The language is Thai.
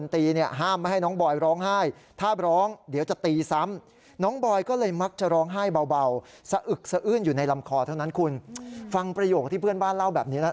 เท่านั้นคุณฟังประโยคที่เพื่อนบ้านเล่าแบบนี้